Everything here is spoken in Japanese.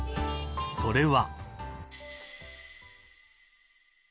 それは。